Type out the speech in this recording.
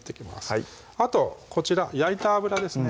はいあとこちら焼いた油ですね